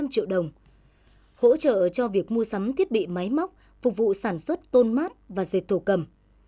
năm trăm linh triệu đồng hỗ trợ cho việc mua sắm thiết bị máy móc phục vụ sản xuất tôn mát và dệt thổ cầm